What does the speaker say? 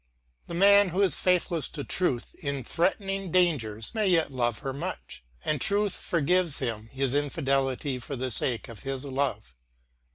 The man who is faithless to Truth in threatening dangers, may yet love her much; and Truth forgives him his infidelity for the sake of his love.